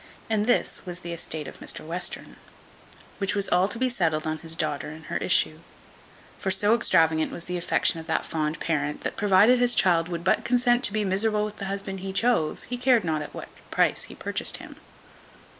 And this was the estate of Mr Western; which was all to be settled on his daughter and her issue; for so extravagant was the affection of that fond parent, that, provided his child would but consent to be miserable with the husband he chose, he cared not at what price he purchased him.